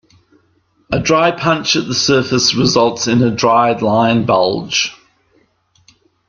A dry punch at the surface results in a dry line bulge.